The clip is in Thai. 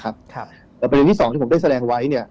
แต่ประเด็นที่สองที่ผมได้แสดงไว้เนี่ย